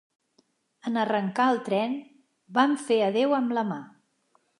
En arrencar el tren van fer adeu amb la mà.